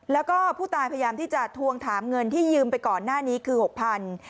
แล้วก็ผู้ตายพยายามที่จะทวงถามเงินที่ยืมไปก่อนหน้านี้คือ๖๐๐บาท